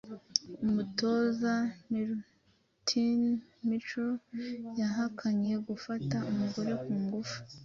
Umutoza Milutini 'Mico yahakanye gufata umugore ku ngufu